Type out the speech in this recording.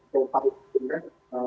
kemampuan kita untuk berhasil